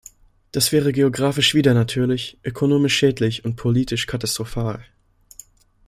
Das wäre geographisch widernatürlich, ökonomisch schädlich und politisch katastrophal.